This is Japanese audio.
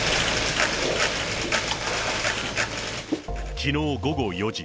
きのう午後４時。